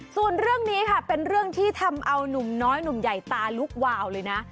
ส่วนเรื่องนี้ค่ะเป็นเรื่องที่ทำเอานุ่มน้อยหนุ่มใหญ่ตาลุกวาวเลยนะ